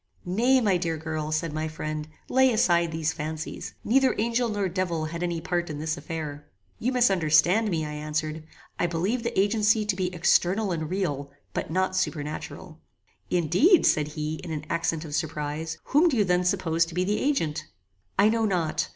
"Nay, my dear girl," said my friend, "lay aside these fancies. Neither angel nor devil had any part in this affair." "You misunderstand me," I answered; "I believe the agency to be external and real, but not supernatural." "Indeed!" said he, in an accent of surprize. "Whom do you then suppose to be the agent?" "I know not.